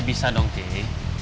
bisa dong kei